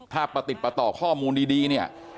ถ้าประติดประต่อข้อมูลดีเนี่ย